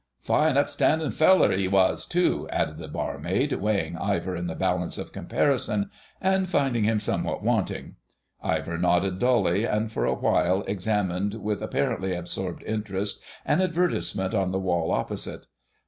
"Fine upstanding feller, 'e was too," added the barmaid, weighing Ivor in the balance of comparison, and finding him somewhat wanting. Ivor nodded dully, and for a while examined with apparently absorbed interest an advertisement on the wall opposite.